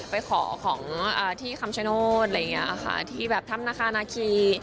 ไปขอของที่คำชโนธอะไรอย่างนี้ค่ะที่แบบถ้ำนาคานาคี